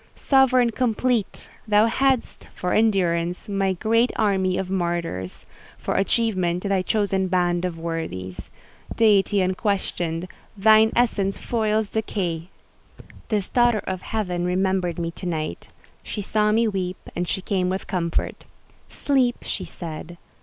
Sovereign complete! thou hadst, for endurance, thy great army of martyrs; for achievement, thy chosen band of worthies. Deity unquestioned, thine essence foils decay! This daughter of Heaven remembered me to night; she saw me weep, and she came with comfort: "Sleep," she said.